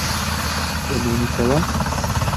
دەمێنێتەوە.